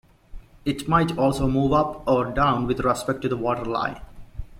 It might also move up or down with respect to the water line.